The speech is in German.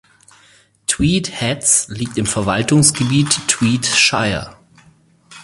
Tweed Heads liegt im Verwaltungsgebiet Tweed Shire.